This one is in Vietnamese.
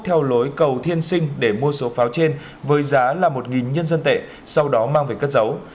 theo lối cầu thiên sinh để mua số pháo trên với giá là một nhân dân tệ sau đó mang về cất giấu